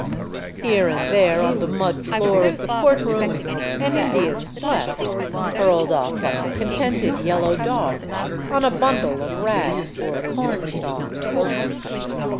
Here and there on the mud floor of the court room an Indian slept, curled up like a contented yellow dog on a bundle of rags or corn stalks.